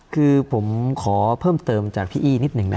คือผมขอเพิ่มเติมจากพี่อี้นิดหนึ่งนะ